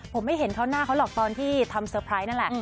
ผมไม่เห็นท่อนหน้าเขาหรอกตอนที่ทำเตอร์ไพรส์นั่นแหละ